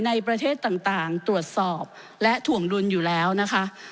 ในประเทศต่างตรวจสอบและถ่วงดุลอยู่แล้วนะคะ